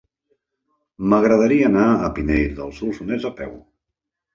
M'agradaria anar a Pinell de Solsonès a peu.